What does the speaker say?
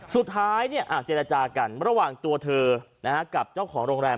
เจรจากันระหว่างตัวเธอกับเจ้าของโรงแรม